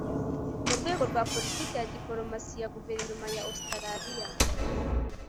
mu rwego rwa politiki ya diplomasi ya guverinoma ya Ositaraliya